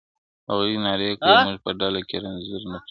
هغوى نارې كړې ،موږ په ډله كي رنځور نه پرېږدو,